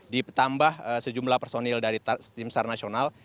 ditambah sejumlah personil dari timsar nasional